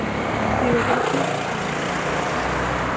Vi vågade knappt andas.